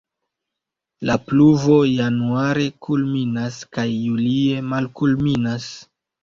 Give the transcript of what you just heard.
La pluvo januare kulminas kaj julie malkulminas.